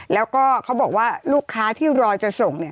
แล้วก็เขาบอกว่าลูกค้าที่รอจะส่ง